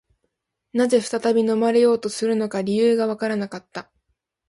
何故再び飲まれようとするのか、理由がわからなかった